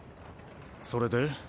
それで？